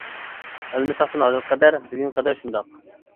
ئەلمىساقتىن ھازىرغا قەدەر، بۈگۈنگە قەدەر شۇنداق.